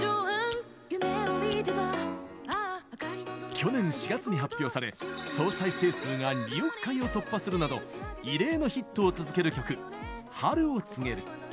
去年４月に発表され総再生数が２億回を突破するなど異例のヒットを続ける曲「春を告げる」。